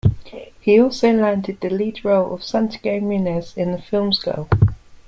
He also landed the lead role of Santiago Munez in the films Goal!